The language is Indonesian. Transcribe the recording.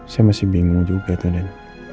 saya masih bingung juga tuh den